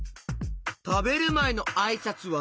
たべるまえのあいさつは？